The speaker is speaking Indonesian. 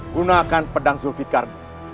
gunakan pedang zulfikar